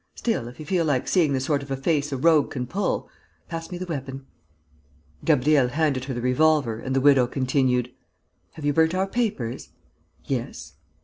Still, if you feel like seeing the sort of a face a rogue can pull.... Pass me the weapon." Gabriel handed her the revolver and the widow continued: "Have you burnt our papers?" "Yes."